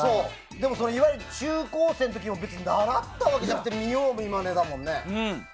でも、いわゆる中高生の時も習ったわけじゃなくて見様見真似だもんね。